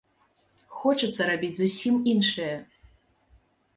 Хочацца рабіць зусім іншае.